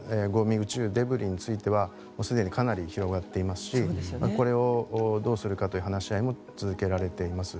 宇宙デブリについてはすでにかなり広がっていますしこれをどうするかという話し合いも続けられています。